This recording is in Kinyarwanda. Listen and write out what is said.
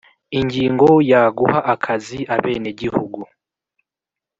Ingingo ya guha akazi abenegihugu